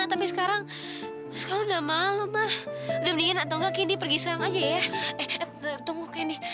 eh tunggu candy